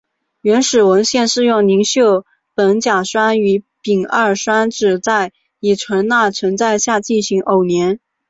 原始文献是用邻溴苯甲酸与丙二酸酯在乙醇钠存在下进行偶联。